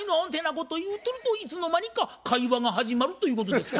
こと言うとるといつの間にか会話が始まるということですわ。